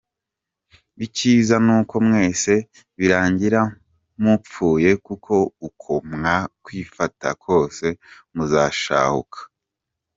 Icyiza nuko mwese birangira mupfuye kuko uko mwakwifata kose muzashahuka murakanyagwa.